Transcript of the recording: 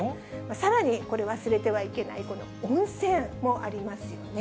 さらに、これ、忘れてはいけない、この温泉もありますよね。